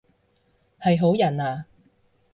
係好人啊？